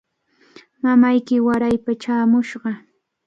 Mamayki waraypa chaamushqa.